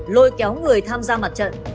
lôi kéo người tham gia mặt trận